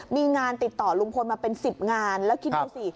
มีงานติดต่อลุงพลมาเป็น๑๐งานแล้วคิดดูสิ